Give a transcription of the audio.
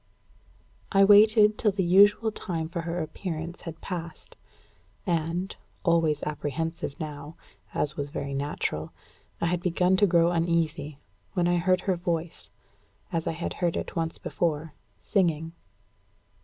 I waited till the usual time for her appearance had passed; and, always apprehensive now, as was very natural, I had begun to grow uneasy, when I heard her voice, as I had heard it once before, singing.